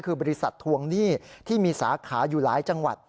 คือบริษัททวงหนี้ที่มีสาขาอยู่หลายจังหวัด